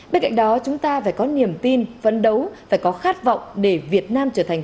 bên cạnh đó chúng ta phải có niềm tin phấn đấu phải có khát vọng để việt nam trở thành